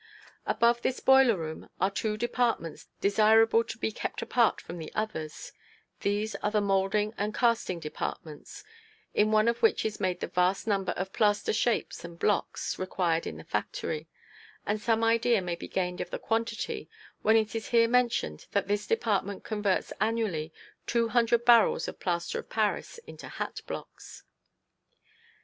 Above this boiler room are two departments desirable to be kept apart from the others; these are the moulding and casting departments, in one of which is made the vast number of plaster shapes and blocks required in the factory, and some idea may be gained of the quantity when it is here mentioned that this department converts annually two hundred barrels of plaster of Paris into hat blocks.